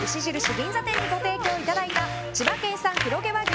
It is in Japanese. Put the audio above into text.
銀座店にご提供いただいた千葉県産黒毛和牛